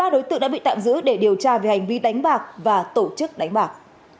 ba đối tượng đã bị tạm giữ để điều tra về hành vi đánh bạc và tổ chức đánh bạc